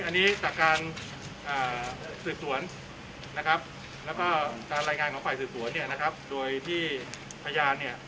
อันนี้จากการสืบสวนนะครับแล้วก็การรายงานของฝ่ายสืบสวนเนี่ยนะครับโดยที่พยานเนี่ย